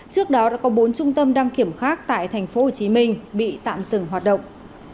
trước đó đã có bốn trung tâm đăng kiểm khác tại tp hcm bị tạm dừng hoạt động